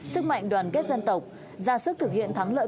sức mạnh đoàn kết dân tộc ra sức thực hiện thắng lợi